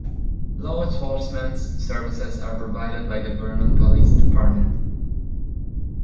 Law enforcement services are provided by the Vernon Police Department.